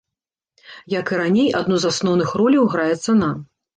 Як і раней, адну з асноўных роляў грае цана.